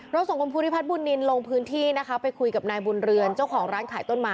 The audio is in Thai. ส่งคุณภูริพัฒนบุญนินลงพื้นที่นะคะไปคุยกับนายบุญเรือนเจ้าของร้านขายต้นไม้